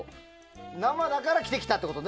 生だから着てきたってことね。